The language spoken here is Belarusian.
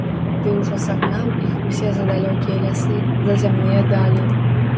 Ды ўжо сагнаў іх усе за далёкія лясы, за зямныя далі.